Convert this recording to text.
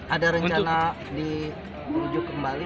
ada rencana dirujuk kembali